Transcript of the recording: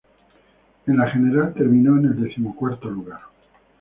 En la general terminó en el decimocuarto lugar.